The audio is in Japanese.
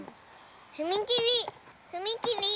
ふみきりふみきり。